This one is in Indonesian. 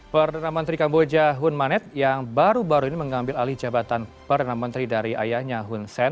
perdana menteri kamboja hun manet yang baru baru ini mengambil alih jabatan perdana menteri dari ayahnya hun sen